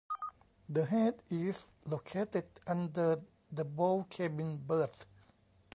The head is located under the bow cabin berth.